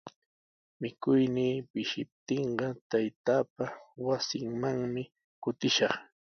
Mikuynii pishiptinqa taytaapa wasinmanmi kutishaq.